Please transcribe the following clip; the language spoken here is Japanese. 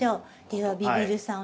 ではビビるさん